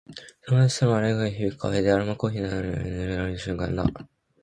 友達との笑い声が響くカフェで、アロマコーヒーの香りが漂う。心地よい雰囲気の中で、日常の喧騒から解放される瞬間だ。